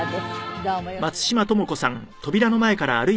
どうも。